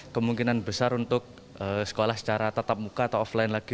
kemungkinan besar untuk sekolah secara tatap muka atau offline lagi